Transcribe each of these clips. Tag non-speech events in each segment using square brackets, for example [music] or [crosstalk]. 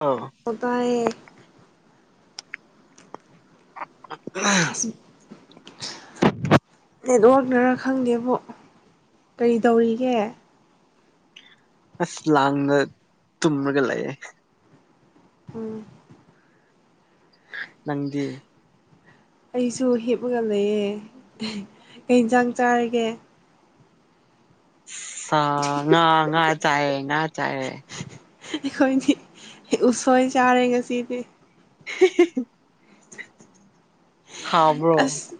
ꯑꯥ ꯑꯣꯕꯥꯥꯏ ꯑ ꯑ ꯅꯦꯠꯋꯔꯛꯅꯔ ꯈꯪꯗꯦꯕ ꯀꯔꯤ ꯇꯧꯔꯤꯒꯦ ꯑꯁ ꯂꯥꯡꯗ ꯇꯨꯝꯔꯒ ꯂꯩꯌꯦ ꯎꯝ ꯅꯒꯤ ꯑꯩꯁꯨ ꯍꯦꯞꯄ ꯉꯝ ꯂꯩꯑ ꯀꯩ ꯌꯦꯟꯁꯥꯡ ꯆꯥꯔꯒꯦ ꯑ ꯉ ꯉꯥ ꯆꯌꯦ ꯉ ꯆꯥꯥꯏ ꯑꯩꯈꯣꯏꯗꯤ ꯎꯁꯣꯏ ꯆꯥꯔꯦ ꯉꯁꯤꯗꯤ [unintelligible] ꯍꯥꯎꯕ꯭ꯔꯣ ꯑꯁ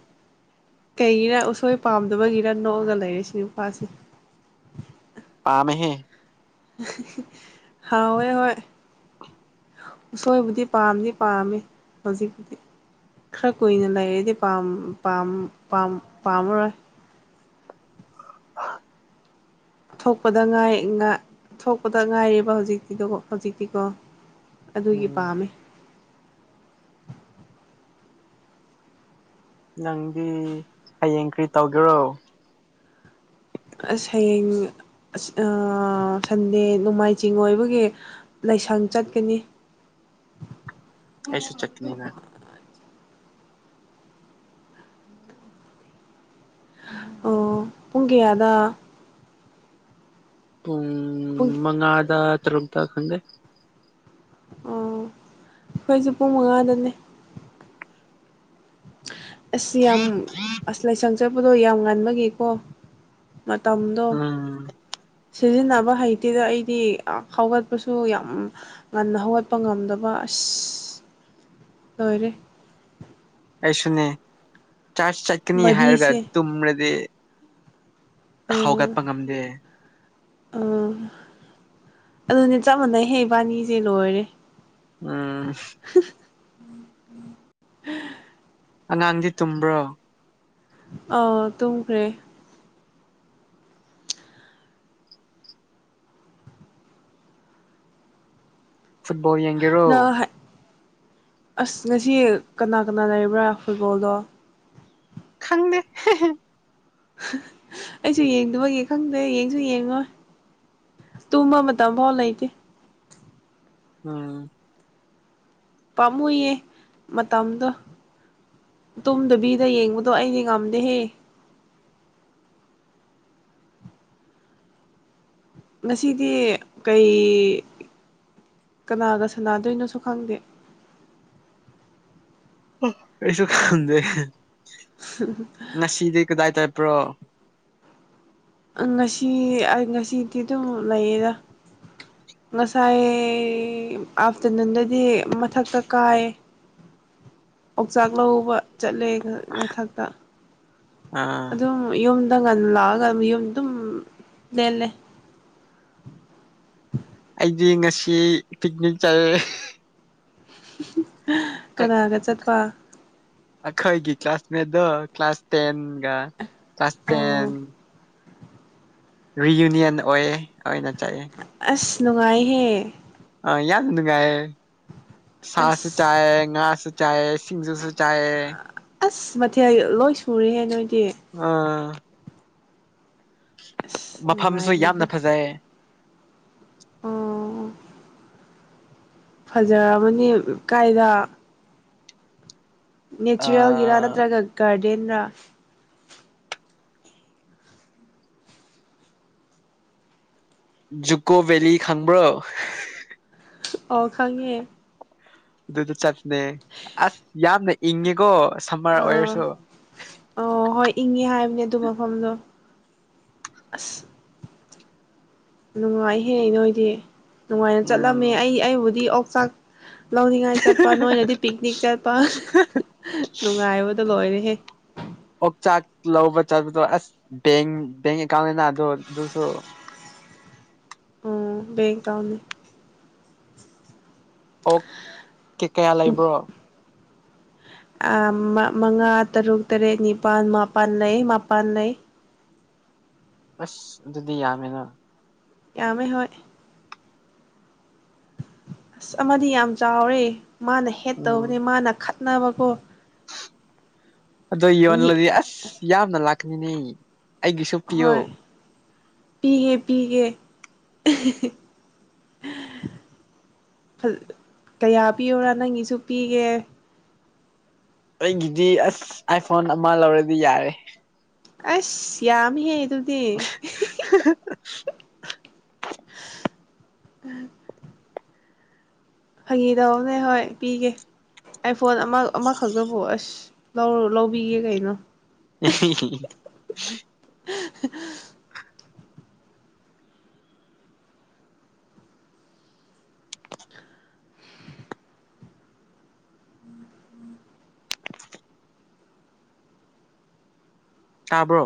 ꯀꯩꯒꯤꯔ ꯎꯁꯣꯏ ꯄꯥꯝꯗꯕꯒꯤꯔ ꯅꯣꯛꯑꯒ ꯂꯩꯔꯤ ꯁꯤ ꯅꯨꯄꯥꯁꯦ ꯄꯥꯝꯍꯦ [unintelligible] ꯍꯥꯎꯋꯦ ꯍꯣꯏ ꯎꯁꯣꯏꯕꯨꯗꯤ ꯄꯥꯝꯗꯤ ꯄꯥꯝꯃꯤ ꯍꯧꯖꯤꯛꯄꯨꯗꯤ ꯈꯔ ꯀꯨꯏꯅ ꯂꯩꯔꯗꯤ ꯄꯥꯝ ꯄꯥꯝ ꯄꯥꯝꯃꯔꯣꯏ ꯊꯣꯛꯄꯗ ꯉꯥꯏ ꯊꯣꯛꯄꯗ ꯉꯥꯏꯔꯕ ꯍꯧꯖꯤꯛꯇꯤꯗꯣ ꯍꯧꯖꯤꯛꯇꯤꯀꯣ ꯑꯗꯨꯒꯤ ꯎꯝ ꯄꯥꯝꯃꯦ ꯅꯪꯗꯤ ꯍꯌꯦꯡ ꯀ꯭ꯔꯤ ꯇꯧꯒꯦꯔꯣ ꯑꯁ ꯍꯌꯦꯡ ꯑꯥ ꯁꯟꯗꯦ ꯅꯣꯡꯃꯥꯏꯖꯤꯡ ꯑꯣꯏꯕꯒꯤ ꯂꯩꯁꯪ ꯆꯠꯀꯅꯤ ꯑꯩꯁꯨ ꯆꯠꯀꯅꯤꯅ ꯑꯣ ꯄꯨꯡ ꯀꯌꯥꯗ ꯄꯨꯡ ꯄꯨꯡ ꯃꯉꯥꯗ ꯇꯔꯨꯛꯇ ꯈꯪꯗꯦ ꯑꯣ ꯈꯣꯏꯁꯨꯦ ꯄꯨꯡ ꯃꯉꯥꯗꯅꯦ ꯑꯁ ꯌꯥꯝ ꯑꯁ ꯂꯥꯏꯁꯪ ꯆꯠꯄꯗꯣ ꯌꯥꯝ ꯉꯥꯟꯕꯒꯤꯀꯣ ꯃꯇꯝꯗꯣ ꯎꯝ ꯁꯤꯖꯤꯟꯅꯕ ꯍꯩꯇꯦꯗ ꯑꯩꯗꯤ ꯍꯧꯥꯎꯒꯠꯄꯁꯨ ꯌꯥꯝ ꯉꯟꯅ ꯍꯧꯒꯠꯄ ꯉꯝꯗꯕ ꯑꯁ ꯂꯣꯏꯔꯦ ꯑꯩꯁꯨꯅꯦ ꯆ꯭ꯔꯥꯁ ꯆꯠꯀꯅꯤ ꯍꯥꯏꯔꯒ ꯕꯗꯤꯁꯦ ꯇꯨꯝꯔꯗꯤ ꯑꯥ ꯍꯧꯒꯠꯄ ꯉꯝꯗꯦ ꯑꯥ ꯑꯗꯨꯅꯦ ꯆꯞ ꯃꯥꯟꯅꯩ ꯍꯦ ꯏꯕꯥꯅꯤꯖꯦ ꯂꯣꯏꯔꯦ ꯎꯝ [unintelligible] ꯑꯉꯥꯟꯗꯤ ꯇꯨꯝꯕ꯭ꯔꯣ ꯑꯥ ꯇꯨꯝꯈ꯭ꯔꯦ ꯐꯨꯠꯕꯣꯜ ꯌꯦꯡꯒꯦꯔꯣ ꯅꯪ ꯑꯁ ꯉꯁꯤ ꯀꯅꯥ ꯀꯅꯥ ꯂꯩꯔꯕ꯭ꯔꯥ ꯐꯨꯠꯕꯣꯜꯗꯣ ꯈꯪꯗꯦ ꯑꯩꯁꯨ ꯌꯦꯡꯗꯃꯒꯤ ꯈꯪꯗꯦ ꯌꯦꯡꯁꯨ ꯌꯦꯡꯉꯣꯏ ꯇꯨꯝꯕ ꯃꯇꯝꯕꯧ ꯂꯩꯇꯦ ꯎꯝ ꯄꯥꯝꯃꯨꯏꯌꯦ ꯃꯇꯝꯗꯣ ꯇꯨꯝꯗꯕꯤꯗ ꯌꯦꯡꯕꯗꯣ ꯑꯩꯗꯤ ꯉꯝꯗꯦꯍꯦ ꯉꯁꯤꯗꯤ ꯀꯩ ꯀꯅꯥꯒ ꯁꯥꯟꯅꯗꯣꯏꯅꯣꯁꯨ ꯈꯪꯗꯦ ꯑꯩꯁꯨ ꯈꯪꯗꯦ [unintelligible] ꯉꯁꯤꯗꯤ ꯀꯗꯥꯥꯏ ꯆꯠꯄ꯭ꯔꯣ ꯉꯁꯤ ꯑꯩ ꯉꯁꯤꯗꯤ ꯑꯗꯨꯝ ꯂꯩꯌꯦꯗ ꯉꯁꯥꯏ ꯑꯥꯞꯇꯔꯅꯨꯟꯗꯗꯤ ꯃꯊꯛꯇ ꯀꯥꯏꯌꯦ [inaudible] ꯄꯥꯎꯆꯥꯛ ꯂꯧꯕ ꯆꯠꯂꯦ ꯃꯊꯛꯇ ꯑꯥ ꯑꯗꯨꯝ ꯌꯨꯝꯗ ꯉꯜꯂꯥꯛꯑꯒ ꯌꯨꯝ ꯑꯗꯨꯝ ꯂꯦꯜꯂꯦ ꯑꯩꯗꯤ ꯉꯁꯤ ꯄꯤꯛꯅꯤꯛ ꯆꯠꯑꯦ ꯀꯅꯥꯒ ꯆꯠꯄ ꯑꯩꯈꯣꯏꯒꯤ ꯀ꯭ꯂꯥꯁꯃꯦꯠꯗꯣ ꯀ꯭ꯂꯥꯁ ꯇꯦꯟꯒ ꯀ꯭ꯂꯥꯁ ꯇꯦꯟ ꯑꯣ ꯔꯤꯌꯨꯅꯤꯌꯟ ꯑꯣꯏꯌꯦ ꯑꯣꯏꯅ ꯆꯠꯂꯦ ꯑꯁ ꯅꯨꯡꯉꯥꯏꯍꯦ ꯑ ꯌꯥꯝ ꯅꯨꯡꯉꯥꯏꯌꯦ ꯁꯥꯁꯨ ꯑꯁ ꯆꯥꯏꯌꯦ ꯉꯥꯁꯨ ꯆꯥꯏꯌꯦ ꯁꯤꯡꯖꯨꯁꯨ ꯆꯥꯏꯌꯦ ꯑꯁ ꯃꯊꯦꯜ ꯂꯣꯏ ꯁꯨꯔꯦꯍꯦ ꯅꯣꯏꯗꯤ ꯑꯥ ꯑꯁ ꯃꯐꯝꯁꯨ ꯅꯨꯡꯉꯥꯏꯕꯗꯣ ꯌꯥꯝꯅ ꯐꯖꯩꯌꯦ ꯑꯣ ꯐꯖꯕꯅꯤ ꯎꯝ ꯀꯥꯏꯗ ꯅꯦꯆꯔꯦꯜꯒꯤꯔ ꯑꯥ ꯅꯠꯇ꯭ꯔꯒ ꯒꯥꯔꯗꯦꯟꯔꯥ ꯖꯨꯀꯣ ꯕꯦꯂꯤ ꯈꯪꯕ꯭ꯔꯣ ꯑꯣ ꯈꯪꯉꯦ ꯑꯗꯨꯗ ꯆꯠꯄꯅꯦ ꯑꯁ ꯌꯥꯝꯅ ꯏꯪꯉꯦꯀꯣ ꯁꯝꯃꯔ ꯑꯥ ꯑꯣꯏꯔꯁꯨ ꯑꯣ ꯍꯣꯏ ꯏꯪꯉꯦ ꯍꯥꯏꯕꯅꯦ ꯑꯗꯨ ꯃꯐꯝꯗꯣ ꯑꯁ ꯅꯨꯡꯉꯥꯏꯍꯦ ꯅꯣꯏꯗꯤ ꯅꯨꯡꯉꯥꯏꯅ ꯆꯠꯂꯝꯃꯦ ꯎꯝ ꯑꯩ ꯑꯩꯕꯨꯗꯤ ꯑꯣꯛꯆꯥꯛ ꯂꯧꯅꯤꯡꯉꯥꯏ ꯆꯠꯄ ꯅꯣꯏꯅꯗꯤ ꯄꯤꯛꯅꯤꯛ ꯆꯠꯄ ꯅꯨꯡꯉꯥꯏꯕꯗꯣ ꯂꯣꯏꯔꯦꯍꯦ ꯑꯣꯛꯆꯥꯛ ꯂꯧꯕ ꯆꯠꯄꯗꯣ ꯑꯁ ꯕꯦꯡ ꯕꯦꯡ ꯑꯦꯀꯥꯎꯟ ꯅꯦꯅꯥ ꯑꯗꯨ ꯑꯗꯨꯁꯨ ꯎꯝ ꯕꯦꯡ ꯑꯦꯀꯥꯎꯟꯅꯦ ꯑꯣꯛ ꯇꯤ ꯀꯌꯥ ꯂꯩꯕ꯭ꯔꯣ ꯑ ꯃꯥ ꯃꯉꯥ ꯇꯔꯨꯛ ꯇꯔꯦꯠ ꯅꯤꯄꯥꯜ ꯃꯥꯄꯥꯟ ꯂꯩ ꯃꯥꯄꯥꯟ ꯂꯩ ꯑꯁ ꯑꯗꯨꯗꯤ ꯌꯥꯝꯃꯦꯅ ꯌꯥꯝꯃꯦ ꯍꯣꯏ ꯑꯁ ꯑꯃꯗꯤ ꯌꯥꯝ ꯆꯥꯎꯔꯦ ꯃꯥꯅ ꯍꯦꯠ ꯎꯝ ꯇꯧꯕꯅꯦ ꯃꯥꯅ ꯈꯠꯅꯕꯀꯣ ꯑꯗꯣ ꯃꯤ ꯌꯣꯜꯂꯗꯤ ꯑꯁ ꯌꯥꯝꯅ ꯂꯥꯛꯀꯅꯤꯅꯦ ꯑꯩꯒꯤꯁꯨ ꯄꯤꯌꯣ ꯍꯣꯏ ꯄꯤꯒꯦ ꯄꯤꯒꯦ ꯀꯌꯥ ꯄꯤꯌꯨꯔꯥ ꯅꯪꯒꯤꯁꯨ ꯄꯤꯒꯦ ꯑꯩꯒꯤꯗꯤ ꯑꯁ ꯑꯥꯏꯐꯣꯟ ꯑꯃ ꯂꯧꯔꯗꯤ ꯌꯥꯔꯦ ꯑꯁ ꯌꯥꯝꯃꯤꯍꯦ ꯑꯗꯨꯨꯗꯤ [unintelligible] [unintelligible] ꯐꯒꯤ ꯇꯧꯕꯅꯦ ꯍꯣꯏ ꯄꯤꯒꯦ ꯑꯥꯏꯐꯣꯟ ꯑꯃ ꯑꯃꯈꯛꯇꯕꯨ ꯑꯁ ꯂꯧꯔ ꯂꯧꯕꯤꯒꯦ ꯀꯩꯅꯣ ꯑꯍꯤꯍꯤ [unintelligible] ꯇꯥꯕ꯭ꯔꯣ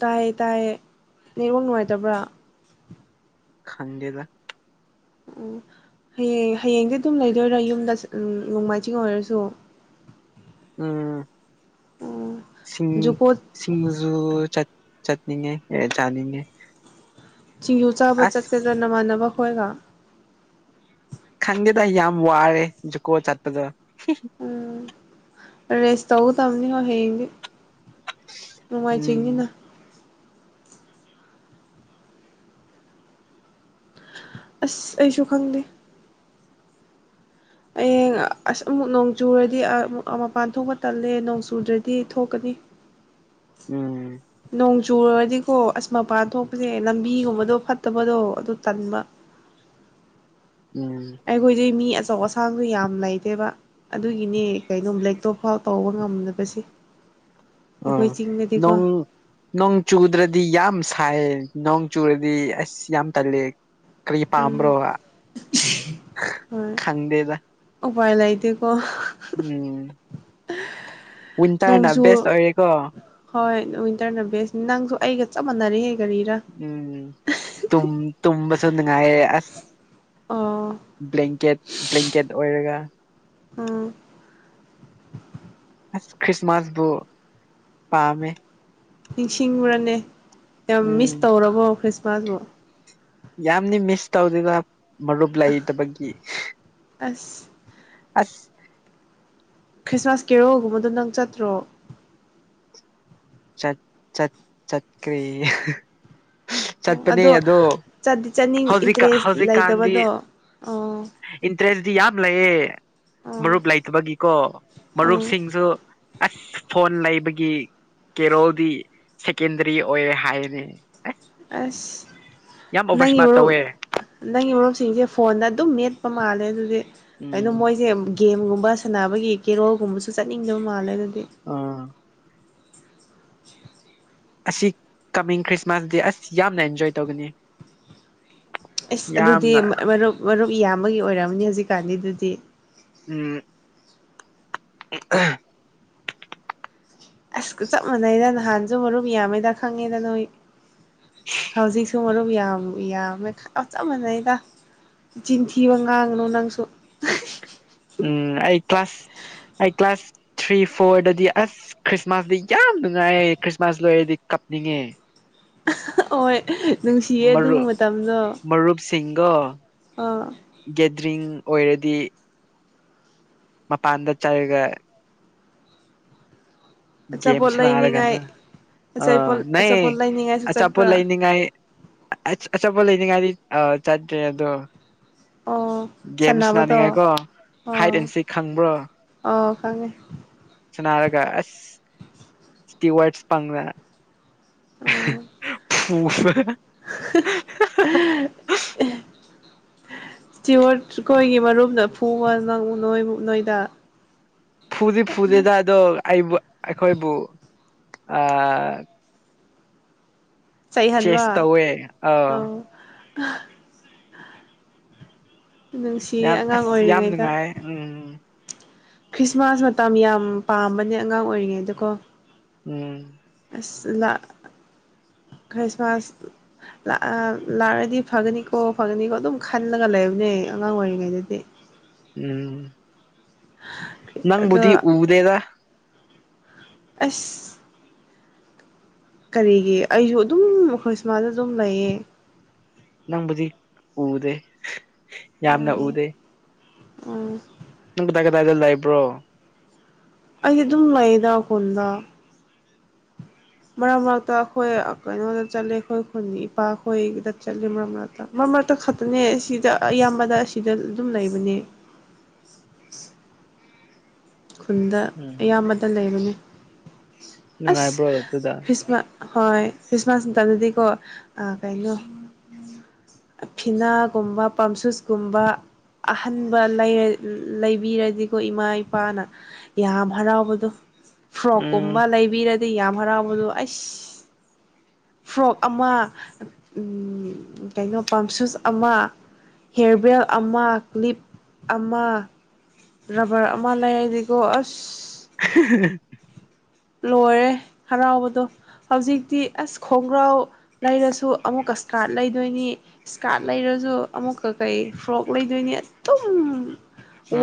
ꯇꯥꯏꯌꯦ ꯇꯥꯏꯌꯦ ꯅꯦꯠꯋꯥꯛ ꯅꯨꯡꯉꯥꯏꯇꯕ꯭ꯔꯥ ꯈꯪꯗꯦꯗ ꯑꯣ ꯍꯌꯦꯡ ꯍꯌꯦꯡꯗꯤ ꯑꯗꯨꯝ ꯂꯩꯗꯣꯏꯔꯥ ꯌꯨꯝꯗ ꯎꯝ ꯅꯣꯡꯃꯥꯏꯖꯤꯡ ꯑꯣꯏꯔꯁꯨ ꯎꯝ ꯁꯤꯡ ꯖꯨꯀꯣ ꯁꯤꯡꯖꯨ ꯆꯠ ꯆꯠꯅꯤꯡꯉꯦ ꯑꯦ ꯆꯥꯅꯤꯡꯉꯦ ꯁꯤꯡꯖꯨ ꯆꯥꯕ ꯑꯁ ꯆꯠꯀꯗ꯭ꯔꯥ ꯅꯃꯥꯟꯅꯕ ꯍꯣꯏꯒ ꯈꯪꯗꯦꯗ ꯌꯥꯝ ꯋꯥꯔꯦ ꯖꯨꯛꯀꯣ ꯆꯠꯄꯗꯣ ꯎꯝ ꯔꯦꯁ ꯇꯧꯒꯗꯝꯅꯤꯀꯣ ꯍꯌꯦꯡꯗꯤ ꯎꯝ ꯅꯣꯡꯃꯥꯏꯖꯤꯡꯅꯤꯅ ꯑꯁ ꯑꯩꯁꯨ ꯈꯪꯗꯦ ꯍꯌꯦꯡ ꯑꯁ ꯑꯃꯨꯛ ꯅꯣꯡ ꯆꯨꯔꯗꯤ ꯑꯃꯨꯛ ꯃꯄꯥꯟ ꯊꯣꯛꯄ ꯇꯜꯂꯦ ꯅꯣꯡ ꯆꯨꯗ꯭ꯔꯗꯤ ꯊꯣꯛꯀꯅꯤ ꯎꯝ ꯅꯣꯡ ꯆꯨꯨꯔꯗꯤꯀꯣ ꯑꯁ ꯃꯄꯥ ꯊꯣꯛꯄꯁꯦ ꯂꯝꯕꯤꯒꯨꯝꯕꯗꯣ ꯐꯠꯇꯕꯗꯣ ꯑꯗꯨ ꯇꯟꯕ ꯎꯝ ꯑꯩꯈꯣꯏꯗꯤ ꯃꯤ ꯑꯆꯧ ꯑꯁꯥꯡꯁꯨ ꯌꯥꯝ ꯂꯩꯇꯦꯕ ꯑꯗꯨꯒꯤꯅꯦ ꯀꯩꯅꯣꯝ ꯂꯦꯛꯇꯣꯐꯥꯎ ꯇꯧꯕ ꯉꯝꯗꯕꯁꯦ ꯎꯝ ꯑꯩꯈꯣꯏ ꯆꯤꯡꯗꯗꯤꯀꯣ ꯅꯨꯡ ꯅꯣꯡ ꯆꯨꯗ꯭ꯔꯗꯤ ꯌꯥꯝ ꯁꯥꯏꯌꯦ ꯅꯣꯡ ꯆꯨꯔꯗꯤ ꯑꯁ ꯌꯥꯝ ꯇꯜꯂꯦ ꯀꯔꯤ ꯄꯥꯝꯕ꯭ꯔꯣ ꯎꯝ ꯈꯪꯗꯦꯗ ꯎꯄꯥꯥꯏ ꯂꯩꯇꯦꯀꯣ ꯎꯝ ꯋꯤꯟꯇꯔꯅ ꯕꯦꯁ ꯅꯣꯡꯖꯨ ꯑꯣꯏꯔꯦꯀꯣ ꯍꯣꯏ ꯋꯤꯟꯇꯔꯅ ꯕꯦꯁꯅꯤ ꯅꯪꯁꯨ ꯑꯩꯒ ꯆꯞ ꯃꯥꯟꯅꯔꯤꯍꯦ ꯀꯥꯔꯤꯔꯥ ꯎꯝ ꯇꯨꯝ ꯇꯨꯝꯕꯁꯨ ꯅꯨꯉꯥꯏꯌꯦ ꯑꯁ ꯑꯣ ꯕ꯭ꯂꯦꯡꯀꯦꯠ ꯕ꯭ꯂꯦꯡꯀꯦꯠ ꯑꯣꯏꯔꯒ ꯎꯝ ꯑꯁ ꯈ꯭ꯔꯤꯁꯃꯥꯁꯕꯨ ꯄꯝꯃꯦ ꯅꯤꯡꯁꯤꯡꯕꯔꯅꯦ ꯌꯥꯝ ꯎꯝ ꯃꯤꯁ ꯇꯧꯔꯕꯣ ꯈ꯭ꯔꯤꯁꯃꯥꯁꯕꯨ ꯌꯥꯝꯅꯤ ꯃꯤꯁ ꯇꯧꯗꯦꯗ ꯃꯔꯨꯞ ꯂꯩ ꯇꯕꯒꯤ ꯑꯁ ꯑꯁ ꯈ꯭ꯔꯤꯁꯃꯥꯁ ꯀꯦꯔꯣꯜꯒꯨꯝꯕꯗꯣ ꯅꯪ ꯆꯠꯇ꯭ꯔꯣ ꯆꯠ ꯆꯠ ꯆꯠ ꯆꯠꯈ꯭ꯔꯦ ꯆꯠꯄꯅꯦ ꯑꯗꯣ ꯆꯠꯗꯤ ꯆꯠꯅꯤꯡ ꯍꯧꯖꯤꯛꯀ ꯏꯟꯇꯔꯦꯁ ꯍꯧꯖꯤꯛꯀꯥꯟꯗꯤ ꯂꯩꯇꯕꯗꯣ ꯑꯣ ꯏꯟꯇꯔꯦꯁꯇꯤ ꯌꯥꯝ ꯂꯩꯌꯦ ꯑꯣ ꯃꯔꯨꯞ ꯂꯩꯇꯕꯒꯤꯀꯣ ꯑꯣ ꯃꯔꯨꯞꯁꯤꯡꯁꯨ ꯑꯁ ꯐꯣꯟ ꯂꯩꯕꯒꯤ ꯀꯦꯔꯣꯜꯗꯤ ꯁꯦꯀꯦꯟꯗꯔꯤ ꯑꯣꯏꯔꯦ ꯍꯥꯏꯌꯦꯅꯦ ꯑꯁ ꯑꯣꯚꯔ ꯅꯪꯒꯤ ꯏꯁꯃꯥꯔꯠ ꯃꯔꯨꯞ ꯇꯧꯋꯦ ꯅꯪꯒꯤ ꯃꯔꯨꯞꯁꯤꯡꯁꯦ ꯐꯣꯟꯗ ꯑꯗꯨꯝ ꯃꯦꯠꯄ ꯃꯥꯜꯂꯦ ꯑꯗꯨꯗꯤ ꯀꯩꯅꯣ ꯎꯝ ꯃꯣꯏꯁꯦ ꯒꯦꯝꯒꯨꯝꯕ ꯁꯥꯟꯅꯕꯒꯤ ꯀꯦꯔꯣꯜꯒꯨꯝꯕꯁꯨ ꯆꯠꯅꯤꯡꯗꯕ ꯃꯥꯜꯂꯦ ꯑꯗꯨꯗꯤ ꯑꯥ ꯑꯁꯤ ꯀꯃꯤꯡ ꯈ꯭ꯔꯤꯁꯃꯥꯁꯗꯦ ꯑꯁ ꯌꯥꯝꯅ ꯑꯦꯟꯖꯣꯏ ꯇꯧꯒꯅꯤ ꯑꯁ ꯑꯗꯨꯗꯤ ꯌꯥꯝꯅ ꯃꯔꯨꯞ ꯃꯔꯨꯞ ꯏꯌꯥꯝꯕꯒꯤ ꯑꯣꯏꯔꯝꯅꯤ ꯍꯧꯖꯤꯛꯀꯥꯟꯗꯤ ꯑꯗꯨꯗꯤ ꯎꯝ ꯎꯝ ꯑꯍꯥꯝ [unintelligible] ꯑꯁ ꯆꯞ ꯃꯥꯟꯅꯩꯗ ꯅꯍꯥꯟꯁꯨ ꯃꯔꯨꯞ ꯌꯥꯝꯃꯤꯗ ꯈꯪꯉꯦꯗ ꯅꯣꯏ ꯍꯧꯖꯤꯛꯁꯨ ꯃꯔꯨꯞ ꯌꯥꯝ ꯌꯥꯝꯃꯦ ꯆꯞ ꯃꯥꯟꯅꯩꯗ ꯆꯤꯟꯊꯤꯕ ꯉꯥꯡꯅꯨ ꯅꯪꯁꯨ ꯎꯝ ꯑꯩ ꯀ꯭ꯂꯥꯁ ꯑꯩ ꯀ꯭ꯂꯥꯁ ꯊ꯭ꯔꯤ ꯐꯣꯔꯗꯗꯤ ꯑꯁ ꯈ꯭ꯔꯤꯁꯃꯥꯁꯇ ꯌꯥꯝ ꯅꯨꯡꯉꯥꯏ ꯈ꯭ꯔꯤꯁꯃꯥꯁ ꯂꯣꯏꯔꯗꯤ ꯀꯞꯅꯤꯡꯉꯦ ꯍꯣꯏ ꯅꯨꯡꯁꯤꯌꯦ ꯑꯗꯨ ꯃꯇꯝꯗꯣ ꯁꯤꯡꯒꯣ ꯑꯥ ꯒꯦꯗ꯭ꯔꯤꯡ ꯑꯣꯏꯔꯗꯤ ꯃꯥ ꯄꯥꯟꯗ ꯆꯔꯒ ꯑꯆꯥꯄꯣꯠ ꯒꯦꯝꯁꯅꯔꯒ ꯂꯩꯅꯤꯡꯉꯥꯏ ꯗꯨꯝ ꯑ ꯑꯆꯥꯄꯣꯠ ꯅ ꯑꯆꯥꯄꯣꯠ ꯂꯩꯅꯤꯡꯉꯥꯏꯁꯨ ꯑꯆꯥꯥꯄ ꯆꯠꯄ꯭ꯔꯥ ꯂꯥꯏꯅꯤꯡꯉꯥꯏ ꯑꯁ ꯑꯆꯄ ꯂꯩꯅꯤꯡꯉꯥꯏꯗꯤ ꯆꯠꯇ꯭ꯔꯦ ꯑꯗꯣ ꯑꯣ ꯒꯦꯝꯁ ꯁꯥꯟꯅꯕꯗꯣ ꯅꯥꯅꯤꯡꯉꯥꯏꯀꯣ ꯍꯥꯏꯠ ꯑꯣ ꯑꯦꯟꯁꯤ ꯈꯪꯕ꯭ꯔꯣ ꯑꯣ ꯈꯪꯉꯦ ꯁꯅꯔꯒ ꯑꯁ ꯏꯁꯇꯤꯋꯔꯠꯁ ꯄꯪꯗ ꯑꯣ [unintelligible] ꯑ ꯏꯁꯇꯤꯋꯠꯈꯣꯏꯒꯤ ꯃꯔꯨꯝꯗ ꯐꯨꯕ ꯅꯪꯉ ꯅꯣꯏ ꯃꯨꯛ ꯅꯣꯏꯗ ꯐꯨꯗꯤ ꯐꯨꯗꯦꯗ ꯑꯗꯣ ꯑꯩꯕꯨ ꯑꯩꯈꯣꯏꯕꯨ ꯆꯩꯍꯟꯕ ꯆꯦꯁ ꯇꯧꯋꯦ ꯑꯥꯎ ꯅꯨꯡꯁꯤꯌꯦ ꯌꯥꯝ ꯑꯉꯥꯡ ꯑꯁ ꯌꯥꯝ ꯑꯣꯏꯔꯤꯉꯩꯗ ꯅꯨꯡꯉꯥꯏ ꯎꯝ ꯈ꯭ꯔꯤꯁꯃꯥꯁ ꯃꯇꯝ ꯌꯥꯝ ꯄꯥꯝꯕꯅꯦ ꯑꯉꯥꯡ ꯑꯣꯏꯔꯤꯉꯩꯗꯀꯣ ꯎꯝ ꯑꯁ ꯂ ꯈꯁꯤꯃꯥꯁ ꯂꯥꯛꯑꯗꯤ ꯐꯒꯅꯤꯀꯣ ꯐꯒꯅꯤꯀꯣ ꯑꯗꯨꯝ ꯈꯜꯂꯒ ꯂꯩꯕꯅꯦ ꯑꯉꯥꯡ ꯑꯣꯏꯔꯤꯉꯩꯗꯗꯤ ꯎꯝ [unintelligible] ꯅꯪꯕꯨꯗꯤ ꯑꯗꯣ ꯎꯗꯦꯗ ꯑꯁ ꯀꯔꯤꯒꯤ ꯑꯩꯁꯨ ꯑꯗꯨꯝ ꯈꯣꯏꯁꯃꯥꯗ ꯑꯗꯨꯝ ꯂꯩꯌꯦ ꯅꯪꯕꯨꯗꯤ ꯎꯗꯦ ꯌꯥꯝꯅ ꯎꯝ ꯎꯗꯦ ꯎꯝ ꯅ ꯇꯒꯦ ꯇꯥꯏꯗ ꯂꯥꯏꯕ꯭ꯔꯣ ꯑꯩꯗꯤ ꯑꯗꯨꯝ ꯂꯩꯗꯥ ꯀꯣꯟꯗꯥ ꯃꯔꯛ ꯃꯔꯛꯇ ꯑꯩꯈꯣꯏ ꯀꯩꯅꯣꯗ ꯆꯠꯂꯤ ꯑꯩꯈꯣꯏ ꯈꯨꯅꯤ ꯏꯄꯥꯈꯣꯏꯒꯤꯗ ꯆꯠꯂꯦ ꯃꯔꯛ ꯃꯔꯛꯇ ꯃꯔ ꯃꯔꯛꯇ ꯈꯛꯇꯅꯦ ꯁꯤꯗ ꯑꯌꯥꯝꯕꯗ ꯑꯁꯤꯗ ꯑꯗꯨꯝ ꯂꯩꯕꯅꯦ ꯈꯨꯟꯗ ꯎꯝ ꯑꯌꯥꯝꯕꯗ ꯂꯩꯕꯅꯤ ꯑꯁ ꯅꯨꯡꯉꯥꯏꯕ꯭ꯔꯣ ꯑꯗꯨꯗ ꯈ꯭ꯔꯤꯁꯃꯥꯁ ꯍꯣꯏ ꯈ꯭ꯔꯤꯁꯃꯥꯁ ꯃꯇꯝꯗꯗꯤꯀꯣ ꯀꯩꯅꯣ ꯐꯤꯅꯥꯒꯨꯝꯕ ꯄꯥꯝꯁꯨꯁꯀꯨꯝꯕ ꯑꯍꯟꯕ ꯂꯩꯕꯤꯔꯗꯤꯀꯣ ꯏꯃꯥꯏ ꯅꯨꯄꯥꯅ ꯌꯥꯝ ꯍꯔꯥꯎꯕꯗꯣ ꯎꯝ ꯐ꯭ꯔꯣꯛꯀꯨꯝꯕ ꯂꯩꯕꯤꯔꯗꯤ ꯑꯗꯩ ꯌꯥꯝ ꯍꯔꯥꯎꯕꯗꯣ ꯑꯩꯁ ꯐ꯭ꯔꯣꯛ ꯑꯃ ꯀꯩꯅꯣ ꯄꯝꯁꯨꯁ ꯑꯃ ꯍꯦꯔꯕꯦꯜ ꯑꯃ ꯀ꯭ꯂꯤꯞ ꯑꯃ ꯔꯕꯔ ꯃꯂ ꯑꯗꯤꯀꯣ ꯑꯁ [unintelligible] ꯂꯣꯏꯔꯦ ꯍꯔꯥꯎꯕꯗꯣ ꯍꯧꯖꯤꯛꯇꯤ ꯑꯁ ꯈꯣꯡꯒ꯭ꯔꯥꯎ ꯂꯩꯔꯁꯨ ꯑꯃꯨꯛꯀꯁꯀꯥꯔꯠ ꯂꯩꯗꯣꯏꯅꯤ ꯏꯁꯀꯥꯔꯠ ꯂꯩꯔꯁꯨ ꯑꯃꯨꯛꯀ ꯀꯩ ꯐ꯭ꯔꯣꯛ ꯂꯩꯗꯣꯏꯅꯤ ꯑꯗꯨꯝ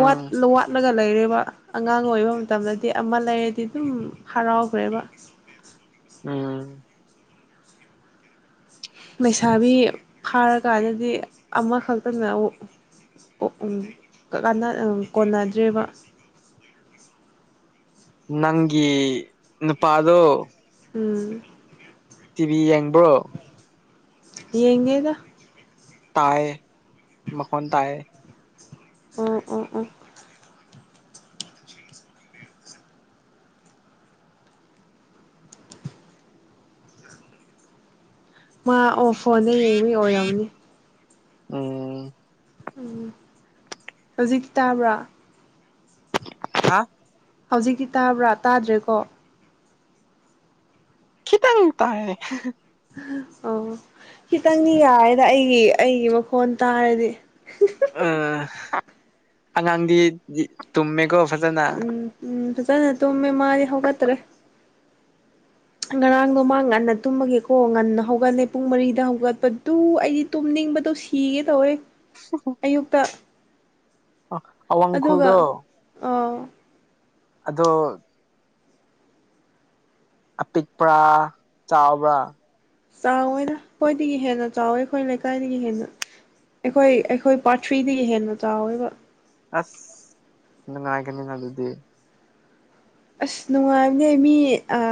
ꯋꯥꯠ ꯂꯠ ꯐꯒ ꯂꯩꯔꯦꯕ ꯑꯉꯥꯡ ꯑꯣꯏꯕ ꯃꯇꯝꯗꯗꯤ ꯑꯃ ꯂꯩꯔꯗꯤ ꯑꯗꯨꯝ ꯍꯔꯥꯎꯈ꯭ꯔꯦꯕ ꯎꯝ ꯂꯩꯁꯥꯕꯤ ꯐꯥꯔꯀꯥꯟꯗꯗꯤ ꯑꯃꯈꯛꯇꯅ ꯑꯣ ꯀꯣꯟꯅꯗ꯭ꯔꯦꯕ ꯅꯪꯒꯤ ꯅꯨꯄꯥꯗꯣ ꯎꯝ ꯇꯤꯚꯤ ꯌꯦꯡꯕ꯭ꯔꯣ ꯌꯦꯡꯗꯦꯗ ꯇꯥꯏꯌꯦ ꯃꯈꯣꯟ ꯇꯥꯏꯌꯦ ꯎꯝ ꯎꯝ ꯎꯝ ꯃꯥ ꯑꯣ ꯐꯣꯟꯗ ꯌꯦꯡꯕꯩ ꯑꯣꯏꯔꯝꯅꯤ ꯎꯝ ꯎꯝ ꯍꯧꯖꯤꯛ ꯇꯥꯕ꯭ꯔꯥ ꯍꯥ ꯍꯧꯖꯤꯛꯇꯤ ꯇꯥꯕ꯭ꯔꯥ ꯇꯥꯗ꯭ꯔꯦꯀꯣ ꯈꯤꯇꯪ ꯇꯥꯏꯌꯦ ꯑꯣ ꯈꯤꯇꯪꯗꯤ ꯌꯥꯔꯦꯗ ꯑꯩꯒꯤ ꯑꯩꯒꯤ ꯃꯈꯣꯟ ꯇꯥꯔꯗꯤ ꯑ ꯑꯉꯥꯡꯗꯤ ꯇꯨꯝꯃꯦꯀꯣ ꯐꯖꯅ ꯎꯝ ꯎꯝ ꯐꯖꯅ ꯇꯨꯝꯃꯦ ꯃꯥꯗꯤ ꯍꯧꯒꯠꯇ꯭ꯔꯦ ꯉꯔꯥꯡꯗꯣ ꯃꯥ ꯉꯟꯅ ꯇꯨꯝꯕꯒꯤꯀꯣ ꯉꯟꯅ ꯍꯧꯒꯠꯂꯦ ꯄꯨꯡ ꯃꯔꯤꯗ ꯍꯧꯒꯠꯄꯗꯨ ꯑꯩꯗꯤ ꯇꯨꯝꯅꯤꯡꯕꯗꯣ ꯁꯤꯒꯦ ꯇꯧꯋꯦ [unintelligible] ꯑꯌꯨꯛꯇ ꯑꯣ ꯑꯗꯨꯒ ꯑ ꯑꯗꯣ ꯑꯄꯤꯛꯄ꯭ꯔ ꯆꯥꯎꯕ꯭ꯔꯥ ꯆꯥꯎꯋꯦꯗ ꯑꯩꯈꯣꯏꯗꯒꯤ ꯍꯦꯟꯅ ꯆꯥꯎꯋꯦ ꯑꯩꯈꯣꯏ ꯂꯩꯀꯥꯏꯗꯒꯤ ꯍꯦꯟꯅ ꯑꯩꯈꯣꯏ ꯑꯩꯈꯣꯏ ꯄꯥꯔꯠ ꯊ꯭ꯔꯤꯗꯒꯤ ꯍꯦꯟꯅ ꯆꯥꯎꯋꯦꯕ ꯑꯁ ꯅꯨꯡꯉꯥꯏꯒꯅꯤꯗ ꯑꯗꯨꯗꯤ ꯑꯁ ꯅꯨꯡꯉꯥꯏꯕꯅꯦ ꯃꯤ ꯑ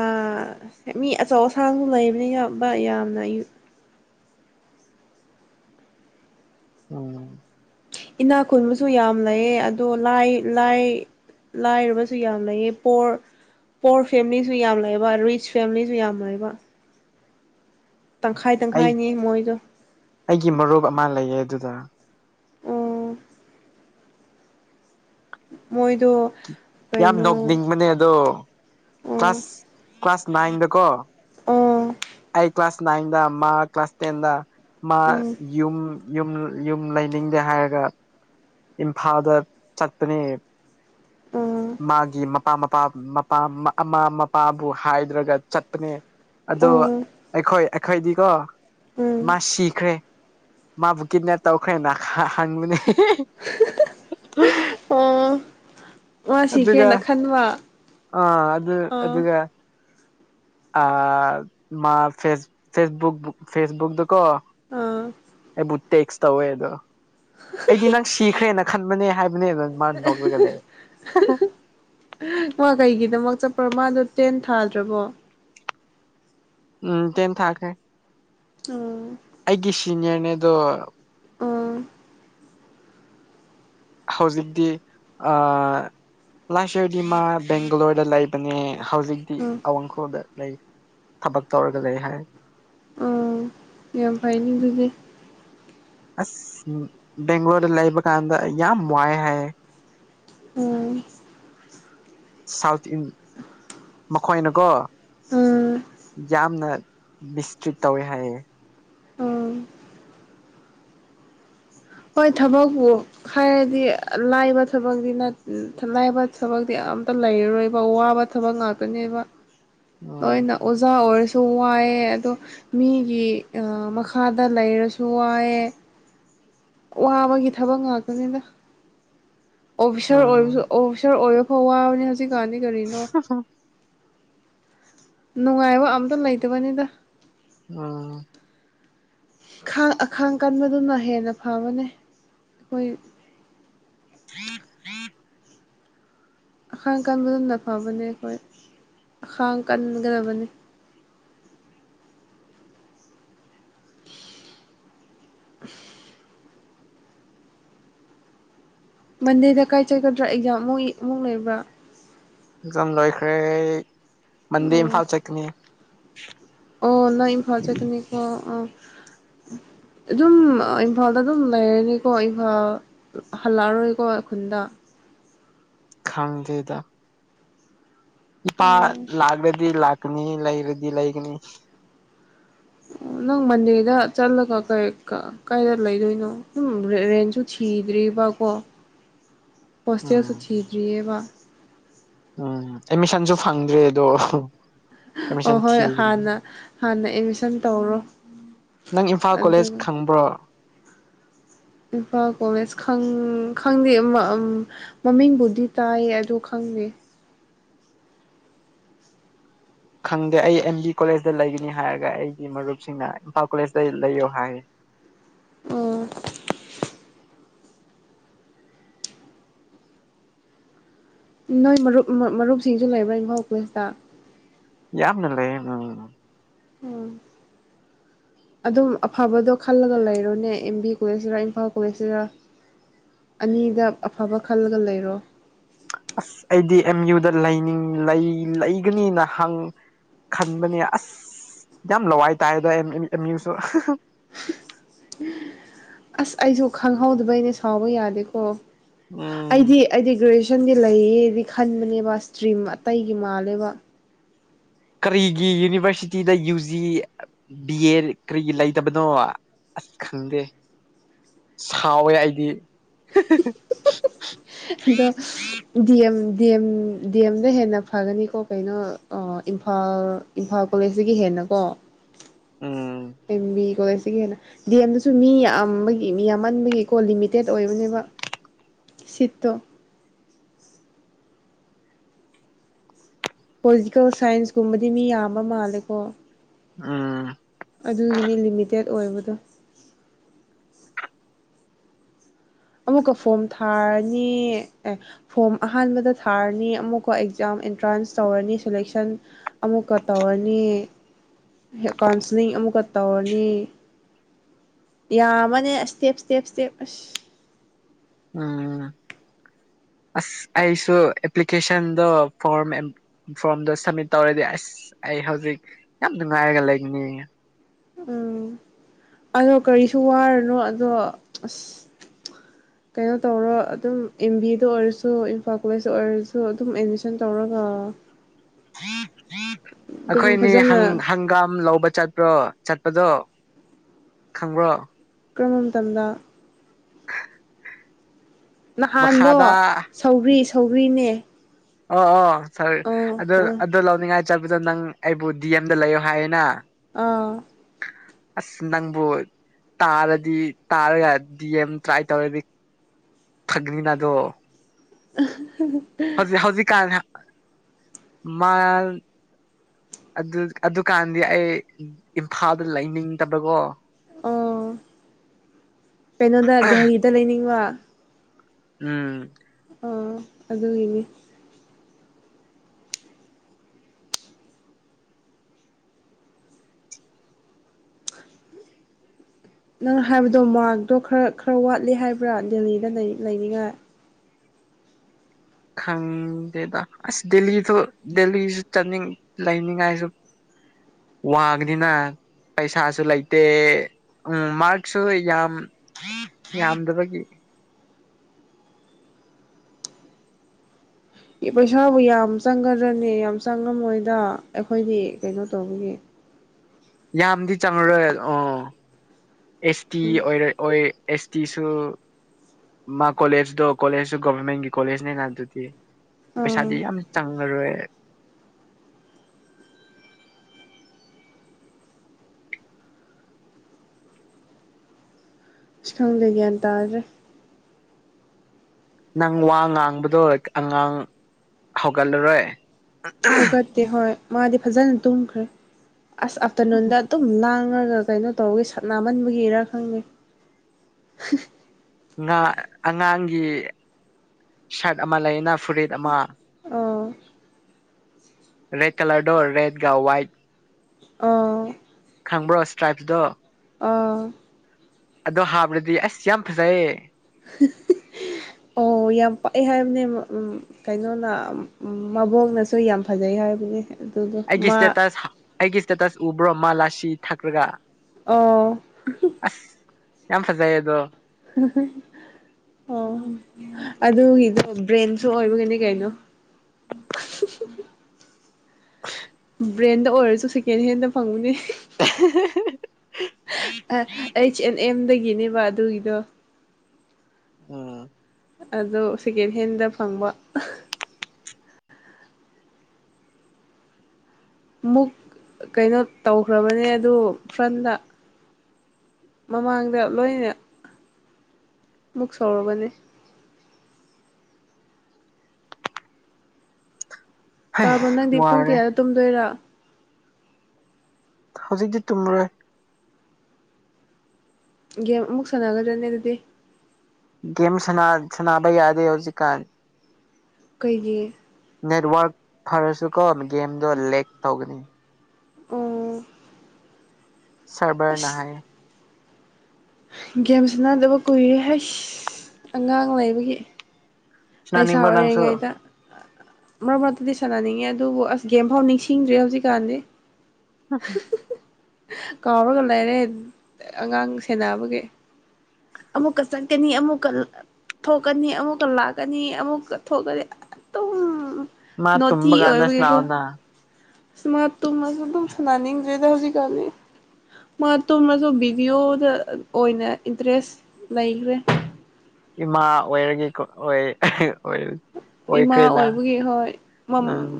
ꯃꯤ ꯑꯆꯧ ꯑꯁꯥꯡ ꯂꯩꯕꯅꯤꯅ ꯕ ꯌꯥꯝꯅ ꯌꯨ ꯑꯪ ꯏꯅꯥ ꯈꯨꯟꯕꯁꯨ ꯌꯥꯝ ꯂꯩꯌꯦ ꯑꯗꯣ ꯂꯥꯏ ꯂꯥꯏ ꯂꯥꯏꯔꯕꯁꯨ ꯌꯥꯝ ꯂꯩꯌꯦ ꯄꯣꯔ ꯄꯣꯔ ꯐꯦꯝꯂꯤꯁꯨ ꯌꯥꯝ ꯂꯩꯕ ꯔꯤꯆ ꯐꯦꯝꯂꯤꯁꯨ ꯌꯥꯝ ꯂꯩꯕ ꯇꯪꯈꯥꯏ ꯑꯩ ꯇꯪꯈꯥꯏꯅꯤ ꯃꯣꯏꯗꯣ ꯑꯩꯒꯤ ꯃꯔꯨꯞ ꯑꯃ ꯂꯩꯌꯦ ꯑꯗꯨꯗ ꯑꯣ ꯃꯣꯏꯗ ꯌꯥꯝ ꯅꯣꯛꯅꯤꯡꯕꯅꯦ ꯑꯗꯣ ꯑꯣ ꯀ꯭ꯂꯥꯁ ꯀ꯭ꯂꯥꯁ ꯅꯥꯏꯟꯗꯀꯣ ꯑꯣ ꯑꯩ ꯀ꯭ꯂꯥꯁ ꯅꯥꯏꯟꯗ ꯃꯥ ꯀ꯭ꯂꯥꯁ ꯇꯦꯟ ꯗ ꯃꯥ ꯎꯝ ꯌꯨꯝ ꯌꯨꯝ ꯌꯨꯝ ꯂꯩꯅꯤꯡꯗꯦ ꯍꯥꯏꯔꯒ ꯏꯝꯐꯥꯜꯗ ꯆꯠꯄꯅꯦ ꯑꯣ ꯃꯥꯒꯤ ꯃꯄꯥ ꯃꯄꯥ ꯃꯄꯥ ꯃ ꯑꯃꯥ ꯃꯄꯥꯕꯨ ꯍꯥꯏꯗ꯭ꯔꯒ ꯆꯠꯄꯅꯦ ꯑꯗꯣ ꯑꯣ ꯑꯩꯈꯣꯏ ꯑꯩꯈꯣꯏꯗꯤꯀꯣ ꯃꯥ ꯎꯝ ꯁꯤꯈ꯭ꯔꯦ ꯃꯥꯕꯨ ꯀꯤꯠꯅꯦꯞ ꯇꯧꯈ꯭ꯔꯦꯅ ꯍꯪꯕꯅꯦ [unintelligible] [unintelligible] ꯑꯣ ꯑꯗꯨꯒ ꯃꯥꯁꯤꯒꯦꯅ ꯈꯟꯕ ꯑꯥ ꯑꯥ ꯑ ꯃꯥ ꯐꯦ ꯐꯦꯕꯨꯛ ꯐꯦꯁꯕꯨꯛꯗꯀꯣ ꯑꯥ ꯕꯨ ꯇꯦꯛꯁ ꯇꯧꯋꯦ ꯑꯗꯣ ꯑꯩꯗꯤ ꯅꯪ ꯁꯤꯈ꯭ꯔꯦꯅ ꯈꯟꯕꯅꯦ ꯍꯥꯏꯕꯅꯦ ꯑꯗꯨ ꯃꯥ ꯅꯣꯛꯔꯒ ꯂꯩ [unintelligible] ꯃꯥ ꯀꯩꯒꯤꯗꯃꯛ ꯆꯠꯄ꯭ꯔꯣ ꯃꯥꯗꯣ ꯇꯦꯟ ꯊꯥꯗ꯭ꯔꯕꯣ ꯎꯝ ꯇ‌ꯦꯟ ꯊꯥꯈꯔ‌ꯦ ꯑꯣ ꯑꯩꯒꯤ ꯁꯤꯅꯤꯌꯔꯗꯣ ꯑꯣ ꯍꯧꯖꯤꯛꯇꯤ ꯑ ꯂꯥꯁ ꯏꯌꯔꯗꯤ ꯃꯥ ꯕꯦꯡꯒꯂꯣꯔꯗ ꯂꯩꯕꯅꯦ ꯍꯧꯖꯤꯛ ꯇꯤ ꯑꯣ ꯑꯋꯥꯡꯈꯣꯜꯗ ꯂꯩ ꯊꯕꯛ ꯇꯧꯔꯒ ꯂꯩ ꯍꯥꯏ ꯎꯝ ꯌꯥꯝ ꯐꯩꯅ‌ꯦ ꯑꯗꯨꯗꯤ ꯑꯁ ꯕ‌ꯦꯡꯒꯂꯣꯔꯗ ꯂꯩꯕ ꯀꯥꯟꯗ ꯌꯥꯝ ꯋꯥꯏ ꯍꯥꯏꯌꯦ ꯑꯣ ꯁꯥꯎꯠ ꯏꯟꯗꯤꯌꯥ ꯃꯈꯣꯏꯅꯀꯣ ꯎꯝ ꯌꯥꯝꯅ ꯃꯤꯁꯇ꯭ꯔꯤꯠ ꯇꯧꯋꯦ ꯍꯥꯏꯌꯦ ꯑꯥ ꯍꯣꯏ ꯊꯕꯛꯄꯨ ꯍꯥꯏꯔꯗꯤ ꯂꯥꯏꯕ ꯊꯕꯛꯇꯤ ꯅꯠ ꯂꯥꯏꯕ ꯊꯕꯛꯇꯤ ꯑꯝꯇ ꯂꯩꯔꯔꯣꯏꯀ‌ꯣ ꯋꯥꯕ ꯊꯕꯛ ꯉꯥꯛꯇꯅꯦꯕ ꯎꯝ ꯂꯣꯏꯅ ꯑꯣꯖꯥ ꯑꯣꯏꯔꯁꯨ ꯋꯥꯏꯑꯦ ꯑꯗꯣ ꯃꯤꯒꯤ ꯑꯥ ꯃꯈꯥꯗ ꯂꯩꯔꯁꯨ ꯋꯥꯏꯑꯦ ꯋꯥꯕꯒꯤ ꯊꯕꯛ ꯉꯥꯛꯇꯅꯤꯗ ꯑꯣꯐꯤꯁꯥꯔ ꯑꯣꯏꯔꯁꯨ ꯎꯝ ꯑꯣꯐꯤꯁꯥꯔ ꯑꯣꯏꯔ ꯍ‌ꯣ ꯋꯥꯕꯅ‌ꯦ ꯍꯧꯖꯤꯛ ꯀꯥꯟꯗꯤ [unintelligible] ꯅꯨꯡꯉꯥꯏꯕ ꯑꯝꯇ ꯂꯩꯇꯕꯅꯤꯗ ꯎꯝ ꯈꯥꯥꯡ ꯑꯈꯥꯡ ꯀꯟꯕꯗꯨꯅ ꯍꯦꯟꯅ ꯐꯕꯅꯦ ꯑꯩꯈꯣꯏ ꯑꯈꯥꯡ ꯀꯟꯕꯗꯨꯅ ꯐꯕꯅꯦ ꯑꯩꯈꯣꯏ ꯑꯈꯥꯡ ꯀꯟꯒꯗꯕꯅꯤ ꯃꯟꯗꯦꯗ ꯀꯥꯏ ꯆꯠꯒꯗ꯭ꯔꯥ ꯑꯦꯛꯖꯥꯝ ꯃ‌ꯣꯏ ꯑꯃꯨꯛ ꯂꯩꯕ꯭ꯔꯥ ꯑꯦꯛꯖꯝ ꯂꯣꯏꯈ꯭ꯔꯦ ꯃꯟꯗ‌ꯦ ꯑꯣ ꯏꯝꯐꯥꯜ ꯆꯠꯀꯅꯤ ꯑꯣ ꯅ‌ꯣꯏ ꯏꯝꯐꯥꯜ ꯆꯠꯀꯅꯤꯀꯣ ꯑ‌ꯣ ꯑꯗꯨꯝ ꯏꯝꯐꯥꯜꯗ ꯑꯗꯨꯝ ꯂꯩꯔꯅꯤꯀꯣ ꯏꯝꯐꯥꯜ ꯍꯜꯂꯛꯑꯔꯣꯏꯀꯣ ꯈꯨꯟꯗ ꯈꯪꯗꯦꯗ ꯏꯄꯥ ꯑꯣ ꯂꯥꯛꯂꯗꯤ ꯂꯥꯛꯀꯅꯤ ꯂꯩꯔꯗꯤ ꯂꯩꯒꯅꯤ ꯅꯪ ꯃꯟꯗ‌ꯦꯗ ꯆꯠꯂꯒ ꯀꯩ ꯀꯥ ꯀꯥꯏꯗ ꯂꯩꯗꯣꯏꯅꯣ ꯁꯨꯝ ꯔꯦꯟꯁꯨ ꯊꯤꯗ꯭ꯔꯤꯕ ꯀꯣ [inaudible] ꯍꯣꯁꯇꯦꯜꯁꯨ ꯊꯤꯗ꯭ꯔꯤꯌ‌ꯦꯕ ꯎꯝ ꯑꯦꯗꯃꯤꯁꯟꯁꯨ ꯐꯪꯗ꯭ꯔꯤ ꯑꯗꯣ ꯑꯣ ꯑꯦꯠꯃꯤꯁꯟ ꯍꯣꯏ ꯊꯤꯕꯅꯤ ꯍꯥꯟꯅ ꯍꯥꯟꯅ ꯑꯦꯠꯃꯤꯁꯟ ꯇꯧꯔꯣ ꯅꯪ ꯏꯝꯐꯥꯜ ꯀꯣꯂꯦꯖ ꯑꯗꯨꯒ ꯈꯪꯕ꯭ꯔꯣ ꯏꯝꯐꯥꯜ ꯀꯣꯂꯦꯖ ꯈꯪ ꯈꯪꯗꯦ ꯑꯃ ꯎꯝ ꯃꯃꯤꯡꯕꯨꯗꯤ ꯇꯥꯏꯌꯦ ꯑꯗꯨ ꯈꯪꯗꯦ ꯈꯪꯗꯦ ꯑꯩ ꯑꯦꯝ ꯕꯤ ꯀꯣꯂꯦꯖꯇ ꯂꯩꯒꯅꯤ ꯍꯥꯏꯔꯒ ꯑꯩꯒꯤ ꯃꯔꯨꯞꯁꯤꯡꯅ ꯏꯝꯐꯥꯜ ꯀꯣꯂꯦꯖꯇ ꯂꯩꯌꯣ ꯍꯥꯏ ꯑꯣ ꯅꯣꯏ ꯃꯔꯨꯞ ꯃꯔꯨꯞꯁꯤꯡꯁꯨ ꯂꯩꯕ꯭ꯔꯥ ꯏꯝꯐꯥꯜ ꯀ‌ꯣꯂ‌ꯦꯖꯇ ꯌꯥꯝꯅ ꯂꯩꯌ‌ꯦ ꯎꯝ ꯎꯝ [inaudible] ꯑꯗꯨꯝ ꯑꯐꯕꯗꯣ ꯈꯜꯂꯒ ꯂꯩꯔꯣꯅꯦ ꯑꯦꯝ ꯕꯤ ꯀꯣꯂꯦꯖꯁꯤꯔ ꯏꯝꯐꯥꯜ ꯀꯣꯂꯦꯖꯁꯤꯔ ꯑꯅꯤꯗ ꯑꯐꯕ ꯈꯜꯂꯒ ꯂꯩꯔꯣ ꯑꯁ ꯑꯩꯗꯤ ꯑꯦꯝ ꯌꯨꯗ ꯂꯩꯅꯤꯡ ꯂꯩꯒꯅꯤꯅ ꯍꯪ ꯈꯟꯕꯅꯦ ꯑꯁ ꯌꯥꯝ ꯂꯋꯥꯏ ꯇꯥꯏꯗꯣ ꯑꯦꯝ ꯌꯨꯁꯨ ꯑꯁ ꯑꯩꯁꯨ ꯈꯪꯍꯧꯗꯕꯩꯩꯅ ꯁꯥꯎꯕ ꯌꯥꯗꯦꯀꯣ ꯎꯝ ꯑꯩꯗꯤ ꯑꯩꯗꯤ ꯒ꯭ꯔꯦꯖꯨꯦꯁꯟꯗꯤ ꯂꯩꯌꯦꯗꯤ ꯈꯟꯕꯅꯦꯕ ꯏꯁꯇ꯭ꯔꯤꯝ ꯑꯇꯩꯒꯤ ꯃꯥꯜꯂꯦꯕ ꯀꯔꯤꯒꯤ ꯌꯨꯅꯤꯕꯔꯁꯤꯇꯤꯗ ꯌꯨ ꯖꯤ ꯕꯤ ꯑꯦ ꯀꯔꯤ ꯂꯩꯇꯕꯅꯣ ꯑꯁ ꯈꯪꯗꯦ ꯁꯥꯎꯋꯦ ꯑꯩꯗꯤ ꯑꯗꯣ ꯗꯤꯑꯦꯝ ꯗꯤꯑꯦꯝ ꯗꯤꯑꯦꯝꯗ ꯍꯦꯟꯅ ꯐꯒꯅꯤꯀꯣ ꯀꯩꯅꯣ ꯏꯝꯐꯥꯜ ꯏꯝꯐꯥꯜ ꯀꯣꯂꯦꯖꯇꯒꯤ ꯍꯦꯟꯅꯀꯣ ꯎꯝ ꯏ ꯃꯤ ꯀꯣꯂꯦꯖꯇꯥꯒꯤ ꯍꯦꯟꯅꯥ ꯗ ꯑꯦꯝꯗꯁꯨ ꯃꯤ ꯌꯥꯝꯕꯒꯤ ꯃꯤ ꯌꯥꯝꯃꯟꯕꯒꯤꯀꯣ ꯂꯤꯃꯤꯇꯦꯠ ꯑꯣꯏꯕꯅꯦꯕ ꯁꯤꯠꯇꯣ ꯄꯣꯂꯤꯇꯤꯀꯦꯜ ꯁꯥꯏꯟꯁꯀꯨꯝꯕꯗꯤ ꯃꯤ ꯌꯥꯝꯕ ꯃꯥꯜꯂꯦꯀꯣ ꯑꯝ ꯑꯗꯨꯒꯤꯅꯤ ꯂꯤꯃꯤꯇꯦꯠ ꯑꯣꯏꯕꯗꯣ ꯑꯃꯨꯛꯀ ꯐꯣꯝ ꯊꯥꯔꯅꯤ ꯑꯦ ꯐꯣꯝ ꯑꯍꯥꯟꯕꯗ ꯊꯥꯔꯅꯤ ꯑꯃꯨꯛꯀ ꯑꯦꯛꯖꯥꯝ ꯑꯦꯟꯇ꯭ꯔꯥꯟꯁ ꯇꯧꯔꯅꯤ ꯁꯦꯂꯦꯛꯁꯟ ꯑꯃꯨꯛꯀ ꯇꯧꯔꯅꯤ ꯍꯦꯛ ꯀꯥꯎꯟꯁꯤꯂꯤꯡ ꯑꯃꯨꯛꯀ ꯇꯧꯔꯅꯤ ꯌꯥꯝꯃꯅꯦ ꯁꯇꯦꯞ ꯁ꯭ꯇꯦꯞ ꯁ꯭ꯇꯦꯞ ꯑꯁ ꯎꯝ ꯑꯁ ꯑꯩꯁꯨ ꯑꯦꯄ꯭ꯂꯀꯦꯁꯟꯗ ꯐꯣꯔꯝ ꯐꯣꯔꯝꯗꯣ ꯁꯝꯃꯤꯠ ꯇꯧꯔꯗꯤ ꯑꯁ ꯑꯩ ꯍꯧꯖꯤꯛ ꯌꯥꯝ ꯅꯨꯡꯉꯥꯏꯔꯒ ꯂꯩꯒꯅꯤ ꯎꯝ ꯑꯗꯣ ꯀꯔꯤꯁꯨ ꯋꯥꯔꯅꯣ ꯑꯗꯣ ꯑꯁ [inaudible] ꯀꯩꯅꯣ ꯇꯧꯔꯣ ꯑꯗꯨꯝ ꯑꯦꯝ ꯕꯤ ꯑꯦꯗ ꯑꯣꯏꯔꯁꯨ ꯏꯝꯐꯥꯜ ꯀꯣꯂꯦꯖꯇ ꯑꯣꯏꯔꯁꯨ ꯑꯗꯨꯝ ꯑꯦꯠꯃꯤꯁꯟ ꯇꯧꯔꯒ ꯑꯗꯨꯝ ꯑꯩꯈꯣꯏꯅꯤ ꯐꯖꯅ ꯍꯪꯒꯥꯝ ꯂꯧꯕ ꯆꯠ ꯆꯠꯄ꯭ꯔꯣ ꯆꯠꯄꯗꯣ ꯈꯪꯕ꯭ꯔꯣ ꯀꯔꯝꯕ ꯃꯇꯝꯗ ꯅꯍꯥꯟꯗꯣ ꯃꯈꯥꯗ ꯁꯧ꯭ꯒꯔꯤ ꯁꯧ꯭ꯒꯔꯤꯅꯦ ꯑꯣ ꯑꯣ ꯁꯥꯔ ꯑꯗꯨ ꯑꯥ ꯑꯗꯨ ꯂꯧꯅꯤꯡꯉꯥꯏ ꯆꯠꯄꯗ ꯅꯪ ꯑꯩꯕꯨ ꯗꯤ ꯑꯦꯝꯗ ꯂꯩꯌꯣ ꯍꯥꯏꯌꯦꯅ ꯑꯥ ꯑꯁ ꯅꯪꯕꯨ ꯇꯥꯔꯗꯤ ꯇꯥꯔꯒ ꯗꯤ ꯑꯦꯝ ꯇ꯭ꯔꯥꯏ ꯇꯧꯔꯗꯤ ꯐꯛꯅꯤꯅꯗꯣ ꯑ [unintelligible] ꯍꯧꯖꯤꯛ ꯍꯧꯖꯤꯛꯀꯥꯟ ꯃꯥ ꯑꯗꯨ ꯑꯗꯨꯀꯥꯟꯗꯤ ꯑꯩ ꯏꯝꯐꯥꯜꯗ ꯂꯩꯅꯤꯡꯗꯕꯀꯣ ꯑꯣ ꯀꯩꯅꯣꯗ ꯗꯦꯜꯍꯤꯗ ꯂꯩꯅꯤꯡꯕ ꯎꯝ ꯎꯝ ꯑꯗꯨꯒꯤꯅꯦ ꯅꯪ ꯍꯥꯏꯕꯗꯣ ꯃꯥꯔꯛꯇꯣ ꯈꯔ ꯈꯔ ꯋꯥꯠꯂꯤ ꯍꯥꯏꯕ꯭ꯔꯥ ꯗꯦꯜꯂꯤꯗ ꯂꯩ ꯂꯩꯅꯤꯡꯉꯥꯏ ꯈꯪꯗꯦꯗ ꯑꯁ ꯗꯦꯜꯂꯤꯗ ꯗꯦꯜꯂꯤꯁꯨ ꯆꯠꯅꯤꯡ ꯂꯩꯅꯤꯡꯉꯥꯏꯁꯨ ꯋꯥꯒꯅꯤꯅ ꯄꯩꯁꯥꯁꯨ ꯂꯩꯇꯦ ꯎꯝ ꯃꯥꯔꯛꯁꯨ ꯌꯥꯝ ꯌꯥꯝꯗꯕꯒꯤ ꯄꯩꯁꯥꯕꯨ ꯌꯥꯝ ꯆꯪꯒꯗ꯭ꯔꯅꯦ ꯌꯥꯝ ꯆꯪꯉꯝꯃꯣꯏꯗ ꯑꯩꯈꯣꯏꯗꯤ ꯀꯩꯅꯣ ꯇꯧꯕꯒꯤ ꯌꯥꯝꯗꯤ ꯆꯪꯉꯔꯣꯏ ꯑꯣ ꯑꯦꯁ ꯇꯤ ꯎꯝ ꯑꯣꯏꯔ ꯑꯣꯏ ꯑꯦꯁ ꯇꯤꯁꯨ ꯃꯥ ꯀꯣꯂꯦꯖꯇꯣ ꯀꯣꯂꯦꯖꯁꯨ ꯒꯣꯕꯔꯃꯦꯟꯒꯤ ꯀꯣꯂꯦꯖꯅꯦꯅ ꯑꯗꯨꯗꯤ ꯑꯥ ꯄꯩꯁꯥꯗꯤ ꯌꯥꯝ ꯆꯪꯉꯔꯣꯏ ꯑꯁ ꯈꯪꯗꯦ ꯒ꯭ꯌꯥꯟ ꯇꯥꯗ꯭ꯔꯦ ꯅꯪ ꯋꯥ ꯉꯥꯡꯕꯗꯣ ꯑꯉꯥꯡ ꯍꯧꯒꯠꯂꯔꯣꯏ ꯍꯧꯒꯠꯇꯦ ꯍꯣꯏ ꯃꯥꯗꯤ ꯐꯖꯅ ꯇꯨꯝꯈ꯭ꯔꯦ ꯑꯁ ꯑꯥꯞꯇꯔꯅꯨꯟꯗ ꯑꯗꯨꯝ ꯂꯥꯡꯉꯒ ꯀꯩꯅꯣ ꯇꯧꯕꯒꯤ ꯁꯥꯅꯥꯃꯟꯕꯒꯤꯔꯥ ꯈꯪꯗꯦ ꯉꯥ ꯑꯉꯥꯡꯒꯤ ꯁꯥꯔꯠ ꯑꯃ ꯂꯩꯌꯦꯅ ꯐꯨꯔꯤꯠ ꯑꯃ ꯑꯥ ꯔꯦꯠ ꯀꯂꯔꯗꯣ ꯔꯦꯠꯒ ꯋꯥꯏꯠ ꯑꯣ ꯈꯪꯕ꯭ꯔꯣ ꯏꯁ꯭ꯇ꯭ꯔꯥꯏꯞꯇꯣ ꯑꯣ ꯑꯗꯣ ꯍꯥꯞꯔꯗꯤ ꯑꯁ ꯌꯥꯝ ꯐꯖꯩꯌꯦ ꯑꯣ ꯌꯥꯝ ꯄꯛꯑꯦ ꯍꯥꯏꯕꯅꯦꯕ ꯎꯝ ꯀꯩꯅꯣꯅ ꯃꯕꯣꯛꯅꯁꯨ ꯌꯥꯝ ꯐꯖꯩ ꯍꯥꯏꯕꯅꯦ ꯑꯗꯨꯗꯣ ꯑꯩꯒꯤ ꯃꯥ ꯏꯁꯇꯦꯇꯁ ꯑꯩꯒꯤ ꯏꯁꯇꯦꯇꯁ ꯎꯕ꯭ꯔꯣ ꯃꯥ ꯂꯥꯁꯤ ꯊꯛꯔꯒ ꯑꯣ ꯑꯁ ꯌꯥꯝ ꯐꯖꯩꯌꯦ ꯑꯗꯣ ꯑꯣ ꯑꯗꯨꯒꯤꯗꯣ ꯕ꯭ꯔꯦꯟꯁꯨ ꯑꯣꯏꯕꯒꯤꯅꯤ ꯀꯩꯅꯣ [unintelligible] ꯕ꯭ꯔꯦꯟꯗ ꯑꯣꯏꯔꯁꯨ ꯁꯦꯀꯦꯟ ꯍꯦꯟꯗ ꯐꯪꯒꯅꯦ [unintelligible] ꯑ ꯑꯩꯆ ꯑꯦꯟ ꯑꯦꯝꯗꯒꯤꯅꯦꯕ ꯑꯗꯨꯒꯤꯗꯣ ꯎꯝ ꯑꯗꯣ ꯁꯦꯀꯦꯟ ꯍꯦꯟꯗ ꯐꯪꯕ ꯑꯃꯨꯛ ꯀꯩꯅꯣ ꯇꯧꯈ꯭ꯔꯕꯅꯦ ꯑꯗꯨ ꯐ꯭ꯔꯟꯗ ꯃꯃꯥꯡꯗ ꯂꯣꯏꯅ ꯕꯨꯛ ꯁꯧꯔꯕꯅꯤ ꯍꯩ ꯇꯥꯕ꯭ꯔꯣ ꯅꯪꯗꯤ ꯄꯨꯡ ꯋꯥꯔꯦ ꯀꯌꯥꯗ ꯇꯨꯝꯗꯣꯏꯔꯥ ꯍꯧꯖꯤꯛꯇꯤ ꯇꯨꯝꯃꯔꯣꯏ ꯒꯦꯝ ꯑꯃꯨꯛ ꯁꯥꯟꯅꯒꯗ꯭ꯔꯅꯦ ꯑꯗꯨꯗꯤ ꯒꯦꯝ ꯁꯥꯟꯅ ꯁꯥꯟꯅꯕ ꯌꯥꯗꯦ ꯍꯧꯖꯤꯛꯀꯥꯟ ꯀꯩꯒꯤ ꯅꯦꯠꯋꯥꯔꯛ ꯐꯔꯁꯨꯀꯣ ꯒꯦꯝꯗꯣ ꯂꯦꯛ ꯇꯧꯒꯅꯤ ꯎꯝ ꯁꯔꯕꯔꯅ ꯍꯥꯏꯌꯦ ꯒꯦꯝ ꯁꯅꯥꯗꯕ ꯀꯨꯏꯔꯦ ꯍꯩꯁ ꯑꯉꯥꯡ ꯂꯩꯕꯒꯤ ꯄꯩꯁꯥ ꯁꯥꯟꯅꯅꯤꯡꯕ꯭ꯔꯣ ꯅꯪꯁꯨ ꯑꯣꯏꯔꯤꯉꯩꯗ ꯃꯔꯛ ꯃꯔꯛꯇꯗꯤ ꯁꯥꯟꯅꯅꯤꯡꯉꯦ ꯑꯗꯨꯕꯨ ꯑꯁ ꯒꯦꯝꯐꯥꯎ ꯅꯤꯡꯁꯤꯡꯗ꯭ꯔꯦ ꯍꯧꯖꯤꯛꯀꯥꯟꯗꯤ [unintelligible] ꯀꯥꯎꯔꯒ ꯂꯩꯔꯦ ꯑꯉꯥꯡ ꯁꯦꯟꯅꯕꯒꯤ ꯑꯃꯨꯛꯀ ꯆꯠꯀꯅꯤ ꯑꯃꯨꯛꯀ ꯊꯣꯛꯀꯅꯤ ꯑꯃꯨꯛꯀ ꯂꯥꯛ ꯀꯅꯤ ꯑꯃꯨꯛꯀ ꯊꯣꯛꯀꯗꯤ ꯑꯗꯨꯝ ꯃꯥ ꯅꯣꯇꯤ ꯇꯨꯝꯕ ꯀꯥꯟꯗ ꯑꯣꯏꯕꯒꯤꯀꯣ ꯁꯥꯟꯅꯧꯅ ꯁꯨꯃꯥ ꯇꯨꯝꯃꯖꯨ ꯑꯗꯨꯝ ꯁꯅꯅꯤꯡꯗ꯭ꯔꯦꯗ ꯍꯧꯖꯤꯛꯀꯟꯗꯤ ꯃꯥ ꯇꯣꯝꯃꯖꯨ ꯚꯤꯗꯤꯑꯣꯗ ꯑꯣꯏꯅ ꯏꯟꯇꯔꯦꯁ ꯂꯩꯒ꯭ꯔꯦ ꯏꯃꯥ ꯑꯣꯏꯔꯒꯦꯀꯣ ꯑꯣꯏ ꯑꯣꯏ ꯏꯃꯥ ꯑꯣꯏꯈ꯭ꯔꯦꯅ ꯑꯣꯏꯕꯒꯤ ꯍꯣꯏ ꯃꯝ ꯎꯝ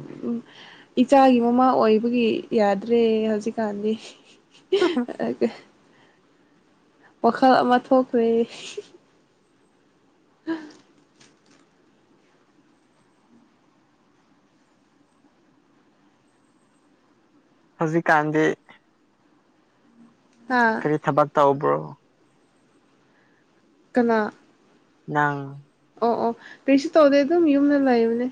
ꯏꯆꯥꯒꯤ ꯃꯃꯥ ꯑꯣꯏꯕꯒꯤ ꯌꯥꯗ꯭ꯔꯦ ꯍꯧꯖꯤꯛꯀꯥꯟꯗꯤ [unintelligible] ꯑꯒ ꯋꯥꯈꯜ ꯑꯃ ꯊꯣꯛꯈ꯭ꯔꯦ [unintelligible] ꯍꯧꯖꯤꯛꯀꯥꯟꯗꯤ ꯍꯥ ꯀꯔꯤ ꯊꯕꯛ ꯇꯧꯕꯔꯣ ꯀꯅꯥ ꯅꯪ ꯑꯣ ꯑꯣ ꯀꯔꯤꯁꯨ ꯇꯧꯗꯦ ꯑꯗꯨꯝ ꯌꯨꯝꯗ ꯂꯩꯕꯅꯦ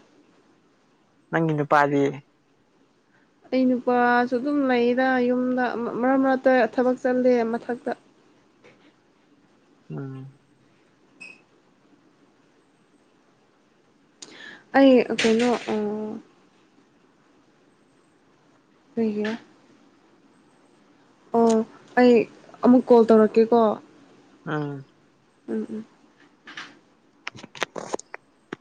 ꯅꯪꯒꯤ ꯅꯨꯄꯥꯗꯤ ꯑꯩ ꯅꯨꯄꯥꯁꯨ ꯑꯗꯨꯝ ꯂꯩꯗ ꯌꯨꯝꯗ ꯃꯔꯛ ꯃꯔꯛꯇ ꯊꯕꯛ ꯆꯠꯂꯦ ꯃꯊꯛꯇ ꯎꯝ ꯑꯩ ꯀꯩꯅꯣ ꯑ ꯀꯩꯒꯤꯔ ꯎꯝ ꯑꯩ ꯑꯃꯨꯛ ꯀꯣꯜ ꯇꯧꯔꯛꯀꯦꯀꯣ ꯎꯝ ꯎꯝ ꯎꯝ [unintelligible]